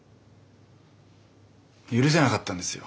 許せなかったんですよ。